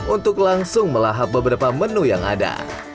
untuk langsung melahap beberapa menu yang ada